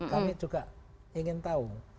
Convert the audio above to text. kami juga ingin tahu